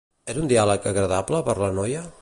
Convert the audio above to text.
És un diàleg agradable per la noia?